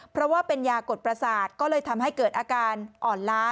เพราะว่าเป็นยากดประสาทก็เลยทำให้เกิดอาการอ่อนล้า